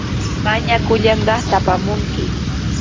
Mañakullanqaata apamunki.